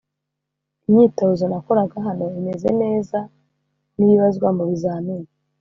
imyitozo nakoraga hano imeze neza nibibazwa mu bizamini